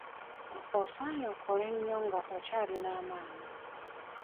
Osaanye okole nnyo nga okyalina amaanyi.